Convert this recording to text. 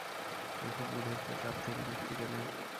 এখন মনে হচ্ছে চাপ থেকে মুক্তি পেলেন।